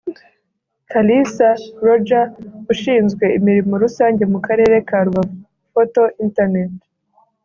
Kalisa Roger ushinzwe imirimo rusange mu karere ka Rubavu/Foto Internet